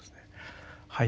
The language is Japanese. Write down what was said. はい。